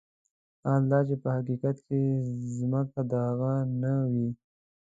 حال دا چې په حقيقت کې ځمکه د هغه نه وي.